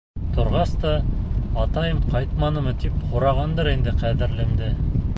Торғас та, атайым ҡайтманымы, тип һорағандыр инде, ҡәҙерлемде...